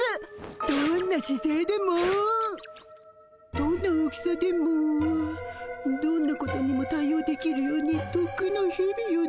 どんなしせいでもどんな大きさでもどんなことにも対応できるようにとっくんの日々よね。